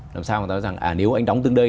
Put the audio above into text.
làm sao mà nói rằng nếu anh đóng từng đây